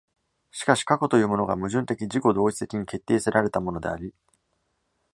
しかし過去というものが矛盾的自己同一的に決定せられたものであり、